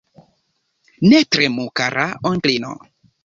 Ne tremu, kara onklino.